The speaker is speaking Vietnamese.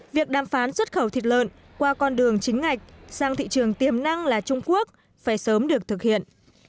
việc đàm phán xuất khẩu thịt lợn qua con đường chính ngạch sang thị trường tiềm năng là trung quốc phải sớm được thực hiện